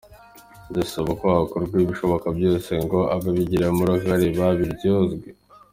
Ndasaba ko hakorwa ibishoboka byose ngo ababigiramo uruhare babiryozwe.”